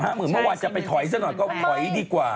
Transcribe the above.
เหมือนเมื่อวานจะไปถอยซะหน่อยก็ถอยดีกว่า